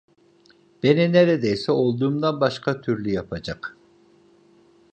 Beni neredeyse olduğumdan başka türlü yapacak!